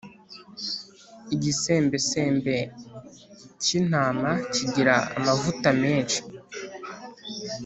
igisembesembe k’intama kigira amavuta menshi